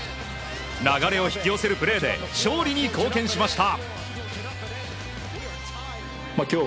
流れを引き寄せるプレーで勝利に貢献しました。